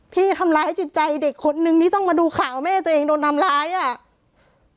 ทำร้ายจิตใจเด็กคนนึงที่ต้องมาดูข่าวแม่ตัวเองโดนทำร้ายอ่ะ